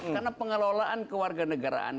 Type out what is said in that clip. karena pengelolaan keluarga negaraan